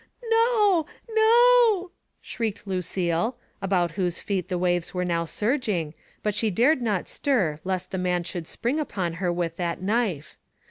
"No, no," shrieked Lucille, about whose feet the waves were now surging, but she dared not stir lest the man should spring upon her with that knife.